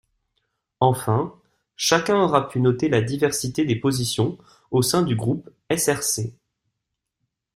Enfin, chacun aura pu noter la diversité des positions au sein du groupe SRC.